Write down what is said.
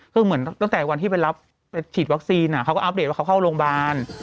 คือเหมือนตั้งแต่วันที่ไปรับไปฉีดวัคซีนเขาก็อัปเดตว่าเขาเข้าโรงพยาบาล